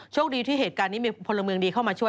โชคดีที่เหตุการณ์นี้มีพลเมืองดีเข้ามาช่วย